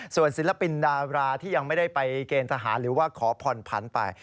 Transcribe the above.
ส่วนศิลปินดาราที่ยังไม่ได้ไปเกณฑ์ทหารหรือว่าขอผ่อนผันไป